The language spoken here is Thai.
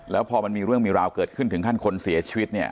แล้วพอมันมีเรื่องมีราวเกิดขึ้นถึงขั้นคนเสียชีวิตเนี่ย